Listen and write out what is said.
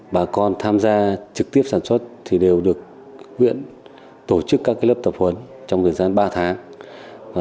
bà con tham gia trực tiếp sản xuất thì đều được huyện tổ chức các lớp tập huấn trong thời gian ba tháng